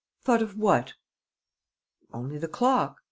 "Thought of what?" "Only the clock.